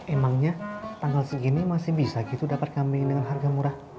emangnya tanggal segini masih bisa gitu dapat kambing dengan harga murah